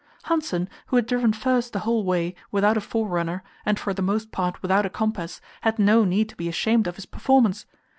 Hanssen, who had driven first the whole way, without a forerunner, and for the most part without a compass, had no need to be ashamed of his performance.